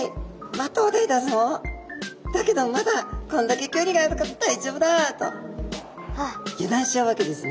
だけどまだこんだけ距離があるから大丈夫だ」と油断しちゃうわけですね。